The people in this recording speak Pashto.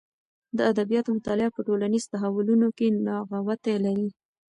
د ادبیاتو مطالعه په ټولنیز تحولونو کې نغوتې لري.